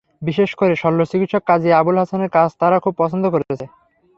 বিশেষ করে শল্যচিকিৎসক কাজী আবুল হাসানের কাজ তারা খুব পছন্দ করেছে।